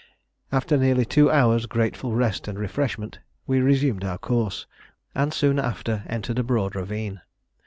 After nearly two hours' grateful rest and refreshment, we resumed our course, and soon after entered a broad ravine.